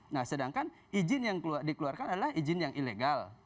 nah sedangkan izin yang dikeluarkan adalah izin yang ilegal